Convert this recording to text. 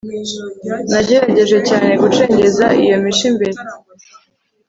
nagerageje cyane gucengeza iyo mico imbere